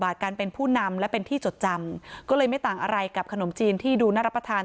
การเป็นผู้นำและเป็นที่จดจำก็เลยไม่ต่างอะไรกับขนมจีนที่ดูน่ารับประทาน